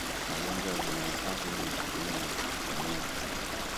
Magonjwa yanayoathiri Mfumo wa kupumua